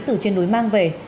từ trên núi mang về